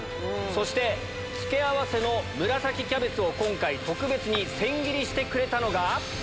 そして付け合わせの紫キャベツを今回特別に千切りしてくれたのが。